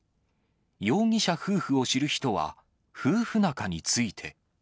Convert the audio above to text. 容疑者夫婦を知る人は、夫婦仲について。